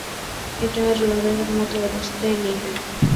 এটা আর লড়াইয়ের মতো অবস্থায় নেই।